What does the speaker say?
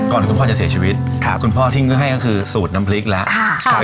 คุณพ่อจะเสียชีวิตครับคุณพ่อทิ้งให้ก็คือสูตรน้ำพริกแล้ว